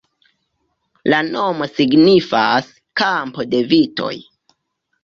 La nomo signifas "kampo de vitoj".